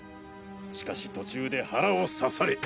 しかし途中で腹を刺され。